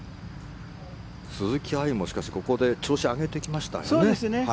鈴木愛もしかしここで調子を上げてきましたよね。